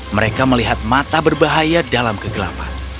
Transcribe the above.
mereka melihat mata berbahaya dalam kegelapan